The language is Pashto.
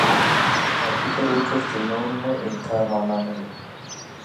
ما فکر وکړ چې نور نو انکار مانا نه لري.